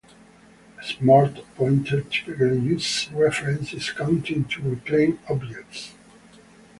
A smart pointer typically uses reference counting to reclaim objects.